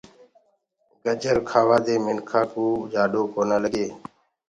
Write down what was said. گجر کآوآ دي منکآنٚ ڪوُ سي ڪونآ لگي۔